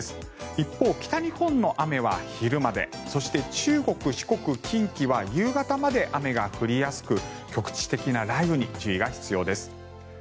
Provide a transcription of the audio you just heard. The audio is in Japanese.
一方、北日本の雨は昼までそして、中国、四国、近畿は夕方まで雨が降りやすく局地的な雷雨に注意が必要です。